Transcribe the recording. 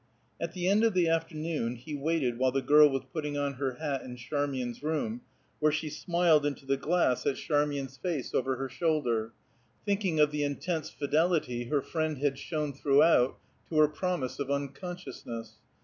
At the end of the afternoon he waited while the girl was putting on her hat in Charmian's room, where she smiled into the glass at Charmian's face over her shoulder, thinking of the intense fidelity her friend had shown throughout to her promise of unconsciousness.